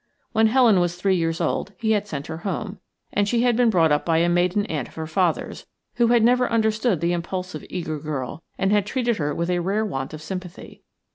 When Helen was three years old he had sent her home, and she had been brought up by a maiden aunt of her father's, who had never understood the impulsive, eager girl, and had treated her with a rare want of sympathy.